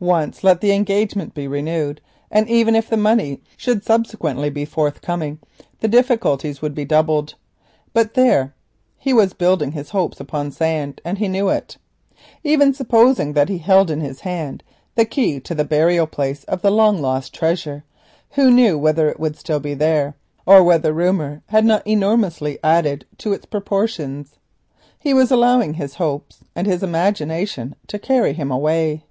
Once let the engagement be renewed, and even if the money should subsequently be forthcoming, the difficulties would be doubled. But he was building his hopes upon sand, and he knew it. Even supposing that he held in his hand the key to the hiding place of the long lost treasure, who knew whether it would still be there, or whether rumour had not enormously added to its proportions? He was allowing his imagination to carry him away.